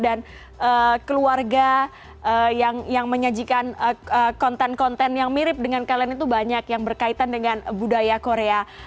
keluarga yang menyajikan konten konten yang mirip dengan kalian itu banyak yang berkaitan dengan budaya korea